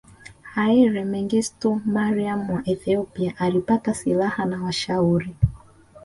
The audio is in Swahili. Haile Mengistu Mariam wa Ethiopia alipata silaha na washauri